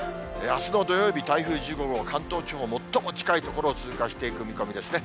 あすの土曜日、台風１５号、関東地方、最も近い所を通過していく見込みですね。